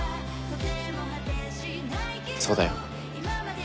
そうだよ。